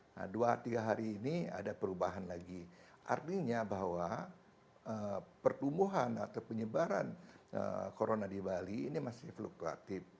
nah dua tiga hari ini ada perubahan lagi artinya bahwa pertumbuhan atau penyebaran corona di bali ini masih fluktuatif